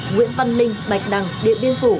nguyễn văn linh bạch đằng điện biên phủ